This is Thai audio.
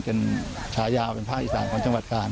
ชีวุเป็นชาญาเป็นภาคอีส่าของจังหวัดกาถ